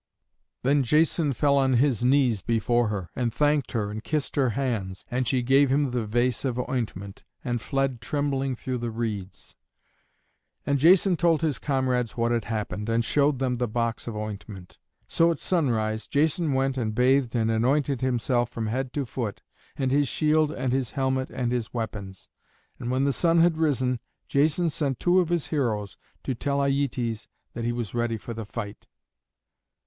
Then Jason fell on his knees before her, and thanked her and kissed her hands, and she gave him the vase of ointment, and fled trembling through the reeds. And Jason told his comrades what had happened, and showed them the box of ointment. So at sunrise Jason went and bathed and anointed himself from head to foot, and his shield and his helmet and his weapons. And when the sun had risen, Jason sent two of his heroes to tell Aietes that he was ready for the fight.